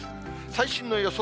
最新の予想